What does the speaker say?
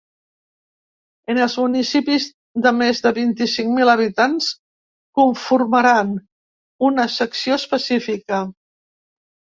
En els municipis de més de vint-i-cinc mil habitants conformaran una secció específica.